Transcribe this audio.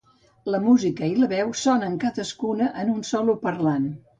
La música i la veu sonen cadascuna en un solo parlant.